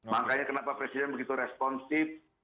makanya kenapa presiden begitu responsif